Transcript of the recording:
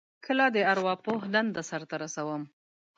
کله د ارواپوه دنده سرته رسوم.